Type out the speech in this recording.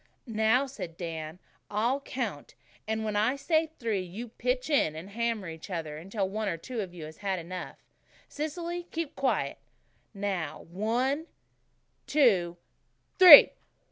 "Now," said Dan, "I'll count, and when I say three you pitch in, and hammer each other until one of you has had enough. Cecily, keep quiet. Now, one two three!"